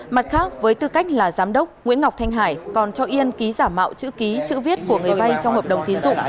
mặt khác với tư cách là giám đốc nguyễn ngọc thanh hải còn cho yên ký giả mạo chữ ký chữ viết của người vay trong hợp đồng tiến dụng